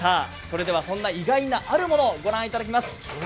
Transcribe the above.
そんな意外なあるものを御覧いただきます。